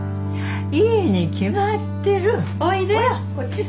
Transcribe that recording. いいに決まってるおいでほら